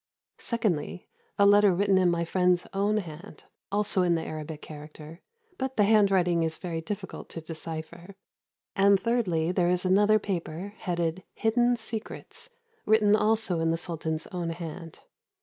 Secondly, a letter written in my friend's own hand, also in the Arabic character, but the handwriting is very difficult to decipher. And thirdly there is another paper, headed "Hidden Secrets," written also in the Sultan's own hand.